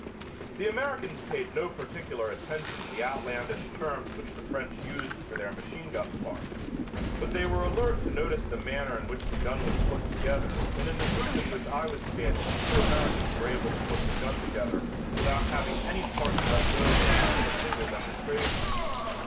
The Americans paid no particular attention to the outlandish terms which the French used for their machine gun parts, but they were alert to notice the manner in which the gun was put together and in the group in which I was standing two Americans were able to put the gun together without having any parts left over after a single demonstration.